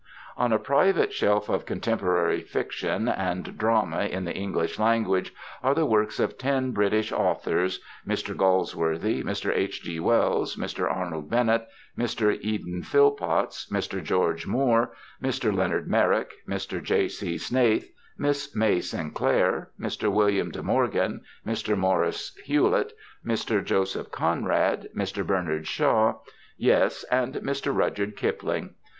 On a private shelf of contemporary fiction and drama in the English language are the works of ten British authors, Mr. Galsworthy, Mr. H. G. Wells, Mr. Arnold Bennett, Mr. Eden Phillpotts, Mr. George Moore, Mr. Leonard Merrick, Mr. J. C. Snaith, Miss May Sinclair, Mr. William De Morgan, Mr. Maurice Hewlett, Mr. Joseph Conrad, Mr. Bernard Shaw, yes, and Mr. Rudyard Kipling.